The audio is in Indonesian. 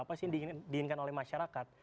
apa sih yang diinginkan oleh masyarakat